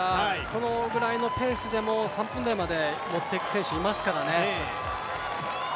このぐらいのペースでも３分台まで持って行く選手いますからね。